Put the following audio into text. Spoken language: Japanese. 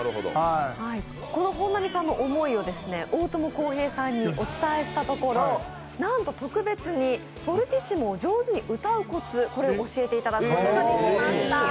この本並さんの思いを大友康平さんにお伝えしたところなんと特別に「ｆｆ」を上手に歌うコツを教えていただくことができました。